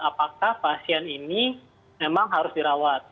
apakah pasien ini memang harus dirawat